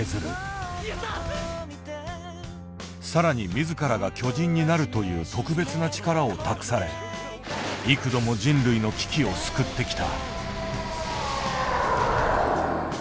さらに自らが巨人になるという特別な力を託され幾度も人類の危機を救ってきた。